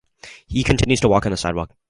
He continues to walk on the sidewalk.